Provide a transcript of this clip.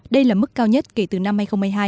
đây là mức cao nhất kể từ năm hai nghìn một mươi hai